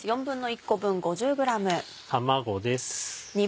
卵です。